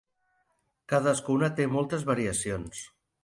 Cadascuna té moltes variacions.